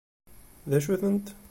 D acu-tent?